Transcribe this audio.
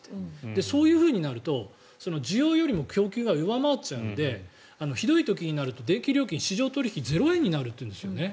そういうふうになると需要よりも供給が弱まっちゃうのでひどい時になると電気料金市場取引がゼロになるっていうんです。